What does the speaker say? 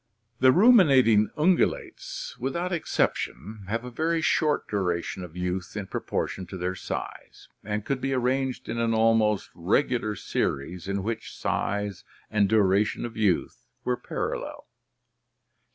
"The Ruminating Ungulates without exception have a very short duration of youth in proportion to their size, and could be arranged in an almost regular series in which size and duration of youth were parallel.